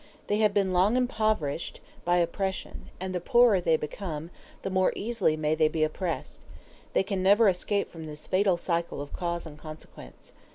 They have long been impoverished by oppression, and the poorer they become the more easily may they be oppressed: they can never escape from this fatal circle of cause and consequence.